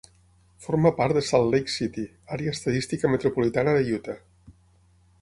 Forma part de Salt Lake City, Àrea Estadística Metropolitana de Utah.